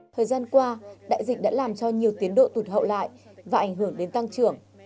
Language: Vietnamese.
thời gian qua đại dịch đã làm cho nhiều tiến độ tụt hậu lại và ảnh hưởng đến tăng trưởng